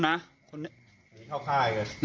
หนีเข้าข้ายกัน